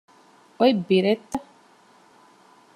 އޮތް ބިރެއްތަ؟